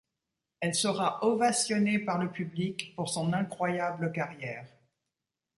Elle sera ovationnée par le public pour son incroyable carrière.